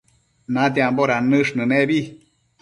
natiambo dannësh nënebi